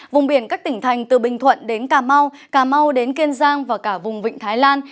vùng biển các tỉnh thành từ bình thuận đến cà mau cà mau đến kiên giang và cả vùng vịnh thái lan